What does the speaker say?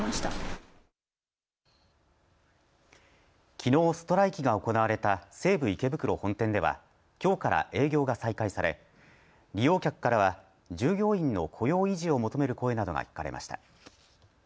きのうストライキが行われた西武池袋本店ではきょうから営業が再開され利用客からは従業員の雇用維持を求める声などが聞かれました。